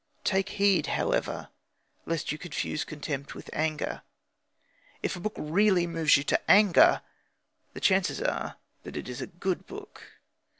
Take heed, however, lest you confuse contempt with anger. If a book really moves you to anger, the chances are that it is a good book.